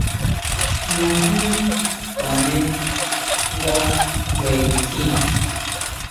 Najní kjuane nga kjue nitjín.